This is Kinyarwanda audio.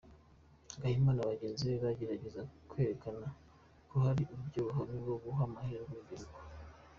Gahima na bagenzi be bagerageza kwerekana ko hari uburyo buhamye bwo guha amahirwe urubyiruko.